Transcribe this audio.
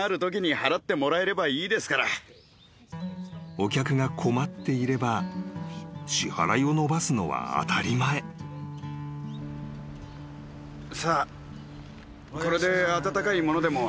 ［お客が困っていれば支払いを延ばすのは当たり前］さあ。